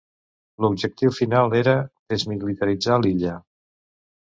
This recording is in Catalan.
L'objectiu final era desmilitaritzar l'illa.